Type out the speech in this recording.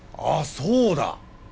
そうだ。